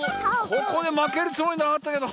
ここでまけるつもりなかったけど。